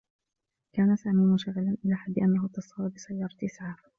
كان سامي منشغلا إلى حدّ أنّه اتّصل بسيّارة إسعاف.